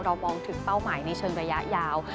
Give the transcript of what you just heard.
มองถึงเป้าหมายในเชิงระยะยาว